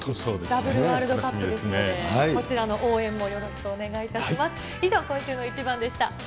ダブルワールドカップですので、こちらの応援もよろしくお願いいたします。